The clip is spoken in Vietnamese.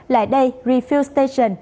lại đây refuse station